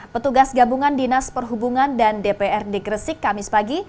petugas gabungan dinas perhubungan dan dprd gresik kamis pagi